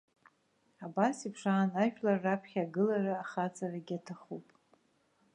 Абас еиԥш аан ажәлар раԥхьа агылара ахаҵарагьы аҭахуп.